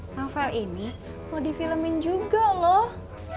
novel ini mau di filmin juga loh